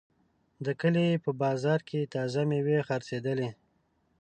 د کلي په بازار کې تازه میوې خرڅېدلې.